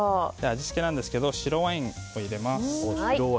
味付けなんですけど白ワインを入れます。